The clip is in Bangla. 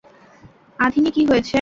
আধিনি, কী হয়েছে?